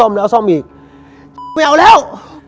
ไม่เอาแล้ว